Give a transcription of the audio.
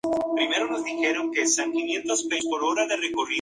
Originalmente operada por Island Broadcasting Inc.